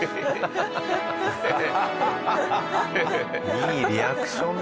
いいリアクションだな。